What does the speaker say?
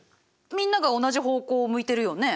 みんなが同じ方向を向いてるよね？